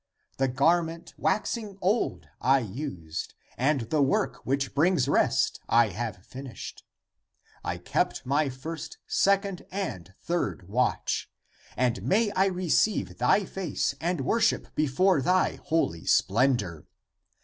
The garment waxing old I used, and the work which brings rest I have finished. I kept my first, second and third watch, and may I receive thy face and worship before thy holy splendor.